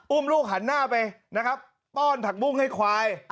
ลูกหันหน้าไปนะครับป้อนผักบุ้งให้ควาย